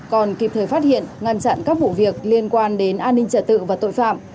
còn kịp thời phát hiện ngăn chặn các vụ việc liên quan đến an ninh trật tự và tội phạm